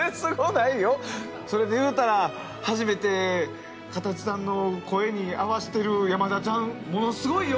それで言うたら初めてカタチさんの声に合わしてる山田ちゃんものすごいよ！